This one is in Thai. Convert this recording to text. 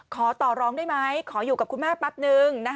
ขอต่อร้องได้ไหมขออยู่กับคุณแม่แป๊บนึง